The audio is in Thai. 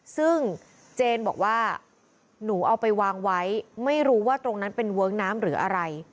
ซึ่งเจนบอกว่าหนูเอาไปวางไว้ไม่รู้ว่าตรงนั้นเป็นเวิ้งน้ำหรืออะไร